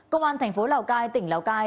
cơ quan thành phố lào cai tỉnh lào cai